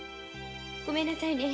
ごめんなさいね。